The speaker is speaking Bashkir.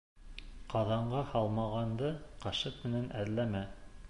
Ҡаҙанға һалмағанды ҡашыҡ менән әҙләмә.